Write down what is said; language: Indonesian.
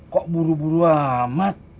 kok buru buru amat